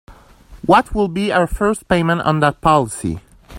What would be her first payment on that policy?